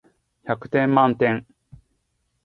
百点満点